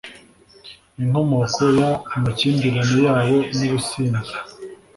inkomoko y amakimbirane yabo nubusinzi